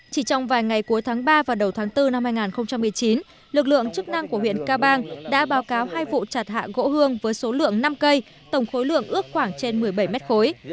chỉ trong vài ngày cuối tháng ba và đầu tháng bốn năm hai nghìn một mươi chín lực lượng chức năng của huyện ca bang đã báo cáo hai vụ chặt hạ gỗ hương với số lượng năm cây tổng khối lượng ước khoảng trên một mươi bảy mét khối